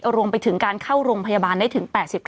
รวมไปถึงการเข้าโรงพยาบาลได้ถึง๘๙